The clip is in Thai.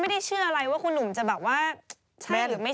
ไม่ถามถึงพี่เพราะว่าเรื่องเลข